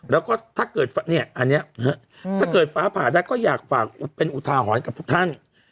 แล้วก็ถ้าเกิดฟ้าผ่านก็อยากฝากเป็นอุทาหรณ์กับทุกท่าน